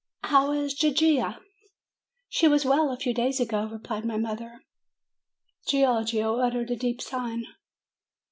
How is Gigia?" "She was well a few days ago," replied my mother. Giorgio uttered a deep sigh.